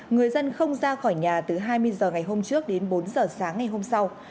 người dân không ra khỏi nhà từ hai mươi h ngày hôm trước đến bốn h sáng ngày hôm sau